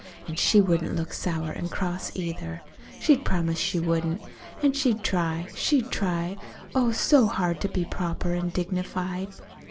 An' she wouldn't look sour an' cross, either. She'd promise she wouldn't. An' she'd try, she'd try, oh, so hard, to be proper an' dignified.